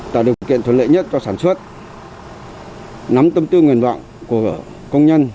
tạo điều kiện thuận lợi nhất cho sản xuất nắm tâm tư nguyện vọng của công nhân